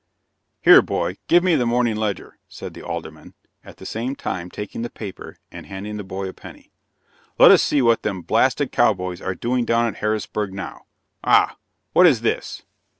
"Here, boy, give me the Morning Ledger," said the Alderman, at the same time taking the paper and handing the boy a penny. "Let us see what them blasted cowboys are doing down at Harrisburg now. Ah! what is this?"